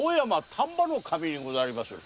丹波守にございまする。